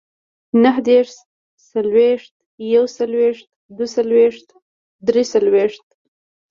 نههدېرش، څلوېښت، يوڅلوېښت، دوهڅلوېښت، دريڅلوېښت